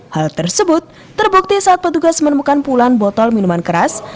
hal tersebut terbukti saat petugas menemukan puluhan botol minuman keras